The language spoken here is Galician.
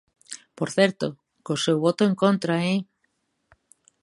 Por certo, co seu voto en contra, ¡eh!